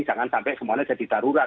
jangan sampai semuanya jadi darurat